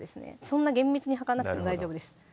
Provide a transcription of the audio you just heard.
そんな厳密に量らなくても大丈夫です